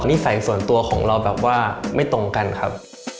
นิสัยส่วนตัวของเราแบบว่าไม่ตรงกันครับ